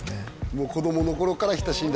もう子供の頃から親しんだ